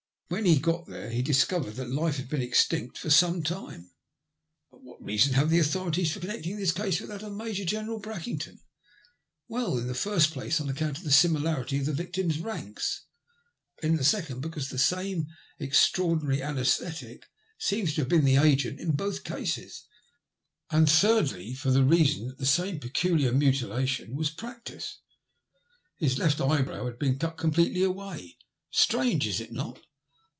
When he got there he discovered that life had been extinct for some time." "But what reason have the authorities for con necting this case with that of Major General Brackington ?"" Well, in the first place, on account of the simi larity in the victims' ranks ; and in the second, because the same extraordinary ansBsthetic seems to have been the agent in both cases ; and thirdly, for the reason that the same peculiar mutilation was ENGLAND ONCE MORE. 43 practised. When Lord Beryworth was found, his left eyebrow had been cut completely away. Strange, is it not